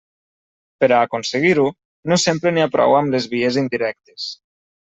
Per a aconseguir-ho, no sempre n'hi ha prou amb les vies indirectes.